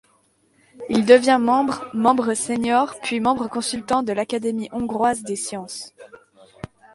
Il devient membre, membre sénior puis membre consultant de l'Académie hongroise des sciences.